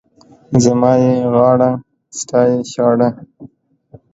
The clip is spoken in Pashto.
زما يې غاړه، ستا يې چاړه.